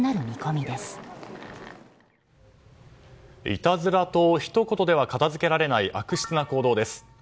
いたずらとひと言では片づけられない悪質な行動です。